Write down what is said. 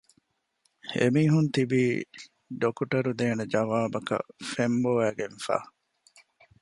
އެމީހުން ތިބީ ޑޮކުޓަރު ދޭނެ ޖަވާބަކަށް ފެންބޮވައިގެން ފަ